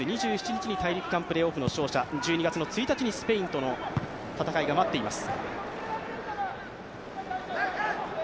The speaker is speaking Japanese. ２７日に大陸間プレーオフの勝者、１２月１日にスペインとの戦いが待っています。